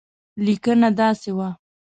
لیکنه داسې وه.